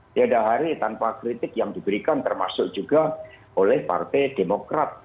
tiada hari tanpa kritik yang diberikan termasuk juga oleh partai demokrat